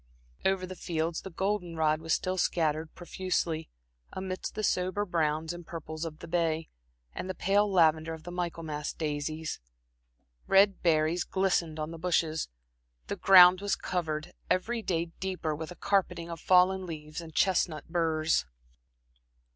Over the fields the golden rod was still scattered profusely, amidst the sober browns and purples of the bay, and the pale lavender of the Michaelmas daisies. Red berries glistened on the bushes, the ground was covered, every day deeper, with a carpeting of fallen leaves and chestnut burrs.